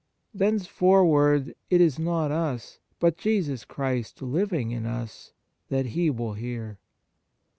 Thenceforward, it is not us, but Jesus Christ living in us, that He will hear.